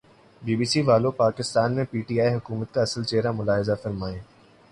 be B C والو پاکستان میں P T I حکومت کا اصل چہرا ملاحظہ فرمائیں